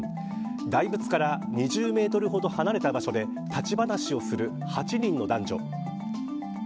大仏から２０メートルほど離れた場所で立ち話をする８人の男女。